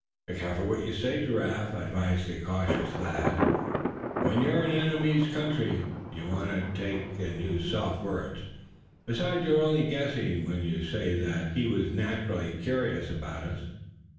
"Be careful what you say, Giraffe," advised the more cautious Thad. "When you're in the enemy's country you want to use soft words. Besides, you're only guessing when you say that. He was naturally curious about us.